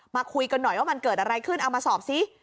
มาคุยกันหน่อยว่ามันเกิดอะไรขึ้นเอามาสอบซิ